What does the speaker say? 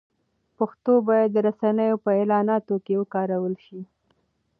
پښتو باید د رسنیو په اعلاناتو کې وکارول شي.